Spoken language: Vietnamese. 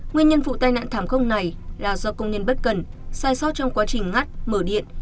nguyên nhân vụ tai nạn thảm khốc này là do công nhân bất cần sai sót trong quá trình ngắt mở điện